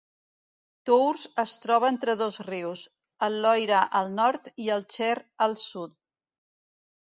Tours es troba entre dos rius, el Loira al nord i el Cher al sud.